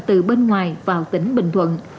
từ bên ngoài vào tỉnh bình thuận